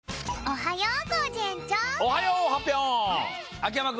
おはよう！